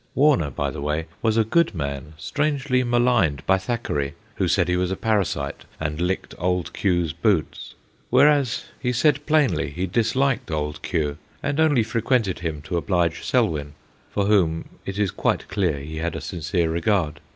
Warner, by the way, was a good man strangely maligned by Thackeray, who said he was a parasite and licked Old Q.'s boots ; whereas he said plainly he dis liked Old Q., and only frequented him to oblige Selwyn, for whom it is quite clear he had a sincere regard.